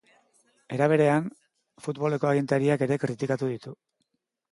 Era berean, futboleko agintariak ere kritikatu ditu.